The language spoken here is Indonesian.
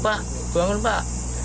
pak bangun pak